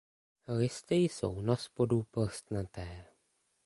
Listy jsou naspodu plstnaté.